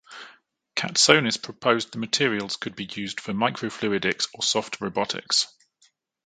Katsonis proposed the materials could be used for microfluidics or soft robotics.